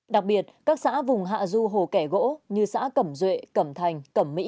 đặc biệt các xã vùng hạ du hồ kẻ gỗ như xã cẩm duệ cẩm thành cẩm mỹ